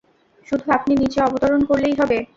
শুধু আপনি নিচে অবতরণ করলেই হবে।